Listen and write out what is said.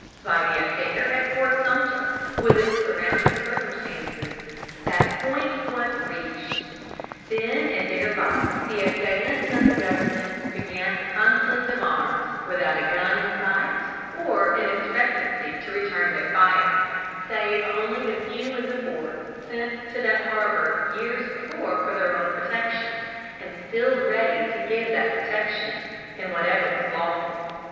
By the affair at Fort Sumter, with its surrounding circumstances, that point was reached. Then and thereby the assailants of the government began the conflict of arms, without a gun in sight or in expectancy to return their fire, save only the few in the fort sent to that harbor years before for their own protection, and still ready to give that protection in whatever was lawful....